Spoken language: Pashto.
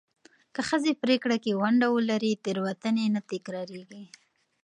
که ښځې پرېکړه کې ونډه ولري، تېروتنې نه تکرارېږي.